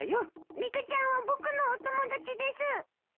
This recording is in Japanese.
リカちゃんは僕のお友達です！